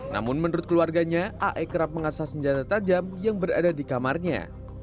namun menurut keluarganya ae kerap mengasah senjata tajam yang berada di kamarnya